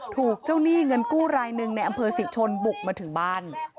ถูกเจ้าหนี้เงินกู้รายหนึ่งในอำเภอศรีชนบุกมาถึงบ้าน